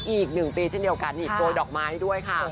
อีก๑ปีเช่นเดียวกันนี่โกยดอกไม้ด้วยค่ะ